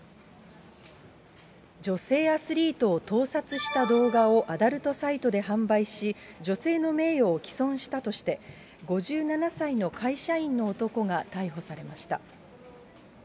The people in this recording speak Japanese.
女性アスリートを盗撮した動画をアダルトサイトで販売し、女性の名誉を毀損したとして、５７歳の会社員の男が逮捕されました。